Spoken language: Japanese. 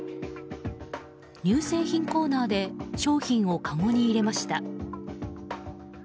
乳製品コーナーで商品をかごに入れました。